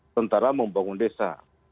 tentara membangun desa